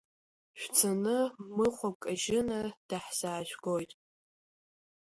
Шәцаны Мыхәа Кажьына даҳзаажәгоит.